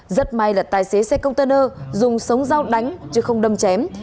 rất may là tài xế xe container dùng sống dao đánh chứ không đâm chém